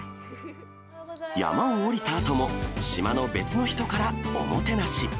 山を下りたあとも、島の別の人からおもてなし。